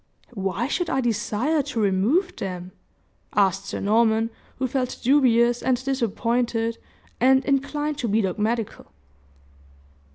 "Why should I desire to remove them?" asked Sir Norman, who felt dubious, and disappointed, and inclined to be dogmatical.